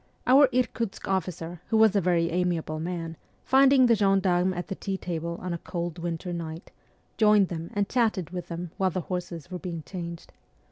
Our Irkutsk officer, who was a very amiable man, finding the gendarmes at the tea table on a cold winter night, joined them and chatted with them while the horses were being changed.